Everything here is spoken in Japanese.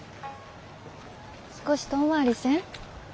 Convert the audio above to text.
少し遠回りせん？